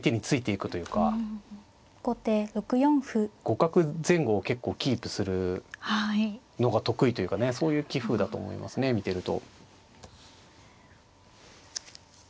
互角前後を結構キープするのが得意というかねそういう棋風だと思いますね見てると。